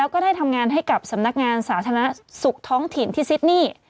ก็ได้ทำงานให้กับสำนักงานสาธารณสุขท้องถิ่นที่ซิดนี่